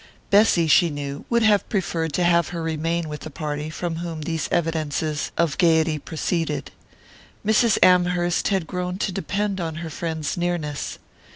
Bessy, she knew, would have preferred to have her remain with the party from whom these evidences of gaiety proceeded. Mrs. Amherst had grown to depend on her friend's nearness.